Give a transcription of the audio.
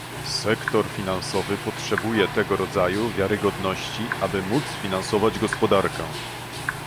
Sektor finansowy potrzebuje tego rodzaju wiarygodności, aby móc finansować gospodarkę